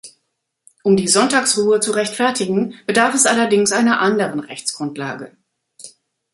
Um die Sonntagsruhe zu rechtfertigen, bedarf es allerdings einer anderen Rechtsgrundlage.